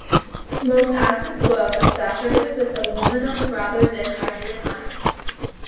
Most acid soils are saturated with aluminium rather than hydrogen ions.